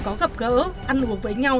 có gặp gỡ ăn uống với nhau